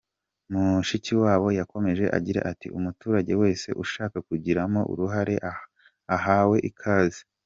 Mushikiwabo yakomeje agira ati “Umuturage wese ushaka kubigiramo uruhare ahawe ikaze.